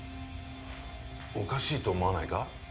おかしいと思わないか？